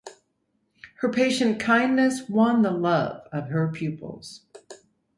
Her patient kindness won the love of her pupils.